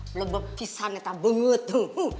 belom berpisah kita bengep tuh